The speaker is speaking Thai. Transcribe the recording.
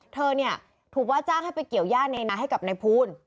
เธอถูกว่าจ้างให้ไปเกี่ยวญาณแนนาให้กับนายภูนิ